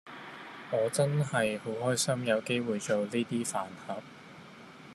我真係好開心有機會做呢 d 飯盒